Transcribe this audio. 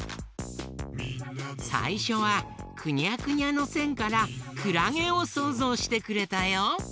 さいしょはくにゃくにゃのせんからくらげをそうぞうしてくれたよ。